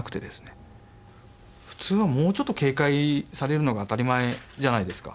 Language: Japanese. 普通はもうちょっと警戒されるのが当たり前じゃないですか。